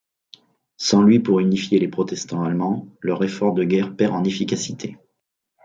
Sans lui pour unifier les protestants allemands, leur effort de guerre perd en efficacité.